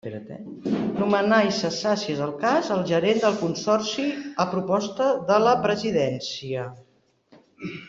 Nomenar i cessar, si és el cas, el gerent del Consorci, a proposta de la Presidència.